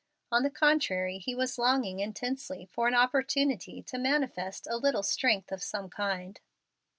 On the contrary, he was longing intensely for an opportunity to manifest a little strength of some kind.